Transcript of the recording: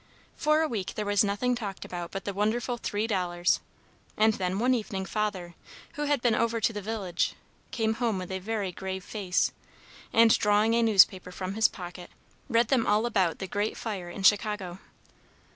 For a week there was nothing talked about but the wonderful three dollars. And then one evening Father, who had been over to the village, came home with a very grave face, and, drawing a newspaper from his pocket, read them all about the great fire in Chicago.